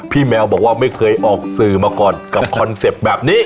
แมวบอกว่าไม่เคยออกสื่อมาก่อนกับคอนเซ็ปต์แบบนี้